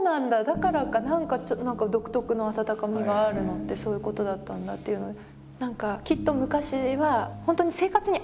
だからか何か独特の温かみがあるのってそういうことだったんだというので。